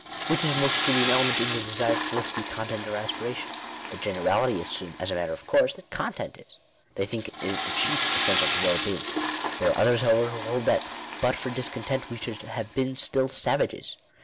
— Which is most truly an element in the desired felicity, content or aspiration ? The generality assume, as a matter of course, that content is. They think it the chief essential to well being. There are others, however, who hold that but for discontent we should have been still savages.